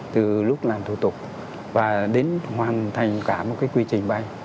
từ lúc làm thủ tục và đến hoàn thành cả một quy trình bay